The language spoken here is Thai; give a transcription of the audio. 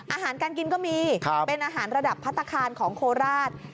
อาหารการกินก็มีเป็นอาหารระดับพัฒนาคารของโคราช